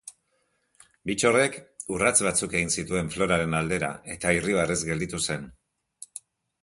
Bittorrek urrats batzuk egin zituen Floraren aldera, eta irribarrez gelditu zen.